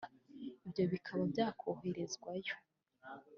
ibyo bikaba byakohwerezwayo